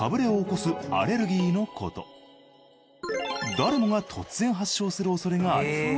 誰もが突然発症する恐れがあります。